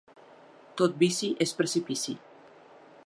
Tot vici és precipici.